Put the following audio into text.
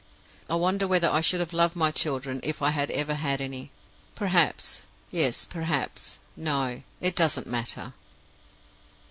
I wonder whether I should have loved my children if I had ever had any? Perhaps, yes perhaps, no. It doesn't matter."